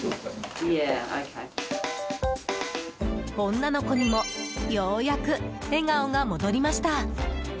女の子にもようやく笑顔が戻りました。